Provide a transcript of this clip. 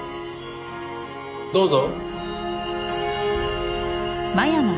どうぞ。